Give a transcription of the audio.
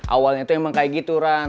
awalnya tuh emang kayak gitu ran